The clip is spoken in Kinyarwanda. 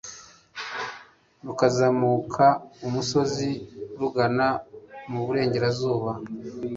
rukazamuka umusozi rugana mu burengerazuba